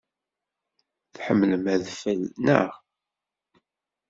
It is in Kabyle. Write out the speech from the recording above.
Tḥemmlem adfel, naɣ?